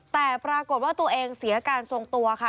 แต่ปรากฏว่าตัวเองเสียการทรงตัวค่ะ